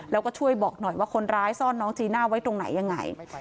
แล้วก็ช่วยบอกหน่อยว่าคนร้ายซ่อนน้องจีน่าไว้ตรงไหนยังไง